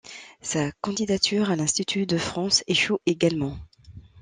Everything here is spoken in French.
Sa candidature à l'Institut de France échoue également.